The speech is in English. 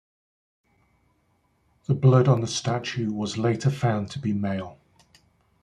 The blood on the statue was later found to be male.